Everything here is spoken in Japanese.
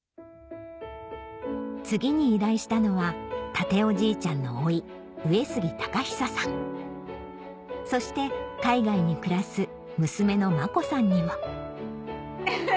次に依頼したのは健夫じいちゃんの甥上杉隆久さんそして海外に暮らす娘の真子さんにもフフフ。